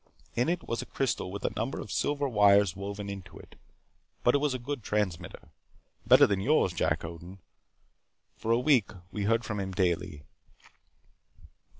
In it was a crystal with a number of silver wires woven into it, but it was a good transmitter. Better than yours, Jack Odin. For a week we heard from him daily.